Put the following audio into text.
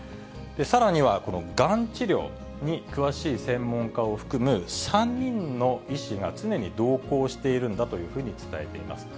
さらには、このがん治療に詳しい専門家を含む、３人の医師が常に同行しているんだというふうに伝えています。